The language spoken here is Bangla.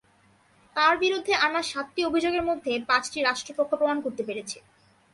তাঁর বিরুদ্ধে আনা সাতটি অভিযোগের মধ্যে পাঁচটি রাষ্ট্রপক্ষ প্রমাণ করতে পেরেছে।